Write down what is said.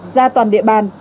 ra toàn địa bàn